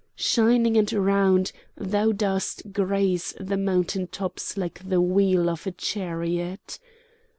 Shining and round, thou dost graze the mountain tops like the wheel of a chariot.